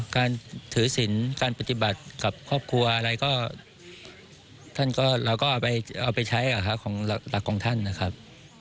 การถือศิลป์การปฏิบัติกับครอบครัวอะไรก็ท่านก็เราก็เอาไปใช้ของหลักของท่านนะครับ